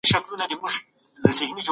سياسي واک تل په يوه لاس کي نه پاته کېږي.